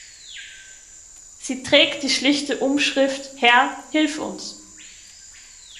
Sie trägt die schlichte Umschrift „Herr, hilf uns“.